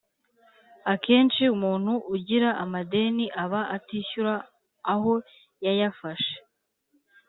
Akenshi umuntu ugira amadeni aba atishyura aho yayafashe